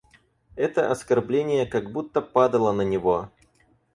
Это оскорбление как будто падало на него.